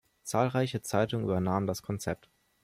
Zahlreiche Zeitungen übernahmen das Konzept.